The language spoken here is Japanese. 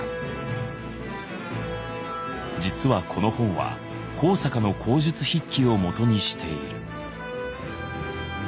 実はこの本は高坂の口述筆記をもとにしている。